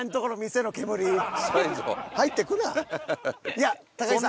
いや木さん。